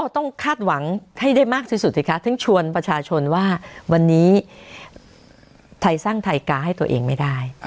คาดหวังให้ได้มากที่สุดสิคะทั้งชวนประชาชนว่าวันนี้ไทยสร้างไทยกาให้ตัวเองไม่ได้